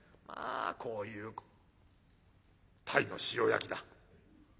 まあこういう鯛の塩焼きだ。